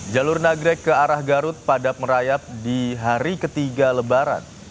jalur nagrek ke arah garut padap merayap di hari ketiga lebaran